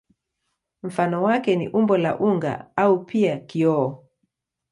Mfano wake ni umbo la unga au pia kioo.